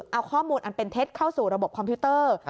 เอาข้อมูลอันเป็นเท็จเข้าสู่ระบบคอมพิวเตอร์